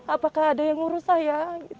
apakah ada yang ngurus saya